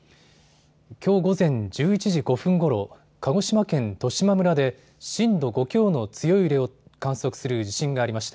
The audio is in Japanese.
きょう午前１１時５分ごろ鹿児島県十島村で震度５強の強い揺れを観測する地震がありました。